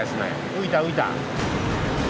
浮いた浮いた。